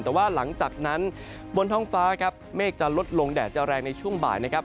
แต่ว่าหลังจากนั้นบนท้องฟ้าครับเมฆจะลดลงแดดจะแรงในช่วงบ่ายนะครับ